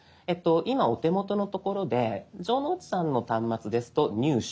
今お手元のところで城之内さんの端末ですと「入手」。